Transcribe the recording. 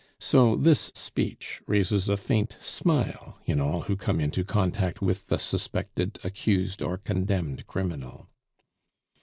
So this speech raises a faint smile in all who come into contact with the suspected, accused, or condemned criminal.